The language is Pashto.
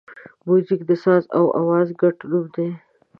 موزیک د ساز او آواز ګډ نوم دی.